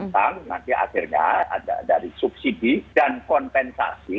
tentang akhirnya dari subsidi dan kompensasi